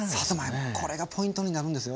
これがポイントになるんですよ。